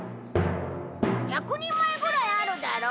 １００人前ぐらいあるだろ？